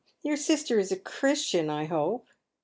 Your sister is a Chiistian, i hope."